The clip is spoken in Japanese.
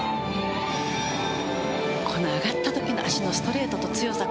この上がった時の足のストレートと強さ。